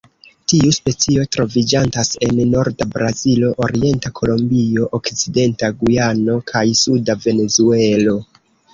Tiu specio troviĝantas en norda Brazilo, orienta Kolombio, okcidenta Gujano, kaj suda Venezuelo.